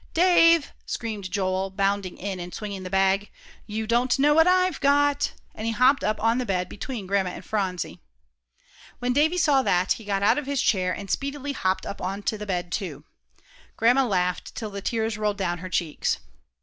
"Dave," screamed Joel, bounding in, and swinging the bag, "you don't know what I've got," and he hopped up on the bed between Grandma and Phronsie. When Davie saw that, he got out of his chair and speedily hopped up on the bed, too. Grandma laughed till the tears rolled down her cheeks.